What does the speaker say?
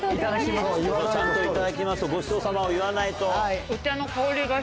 ちゃんといただきますとごちそうさまを言わないと。